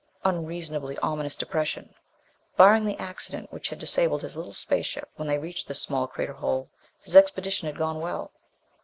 Unreasonably, ominous depression! Barring the accident which had disabled his little spaceship when they reached this small crater hole, his expedition had gone well.